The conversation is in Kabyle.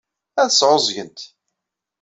Ad sɛuẓẓgent.